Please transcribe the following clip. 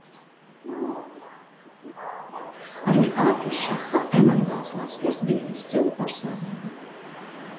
Arī ārpus šaha Emanuels Laskers bija izcila personība.